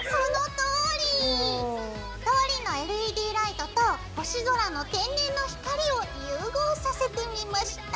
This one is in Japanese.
通りのＬＥＤライトと星空の天然の光を融合させてみました。